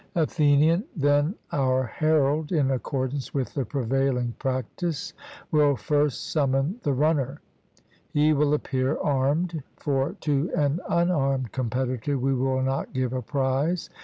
ATHENIAN: Then our herald, in accordance with the prevailing practice, will first summon the runner he will appear armed, for to an unarmed competitor we will not give a prize.